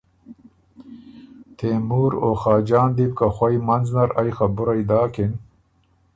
تېمُور او خاجان دی بوکه خوئ مںځ نر ائ خبُرئ داکِن